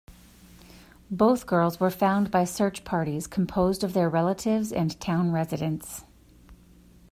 Both girls were found by search parties composed of their relatives and town residents.